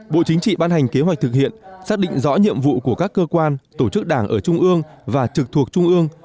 bộ chính trị ban hành kế hoạch thực hiện xác định rõ nhiệm vụ của các cơ quan tổ chức đảng ở trung ương và trực thuộc trung ương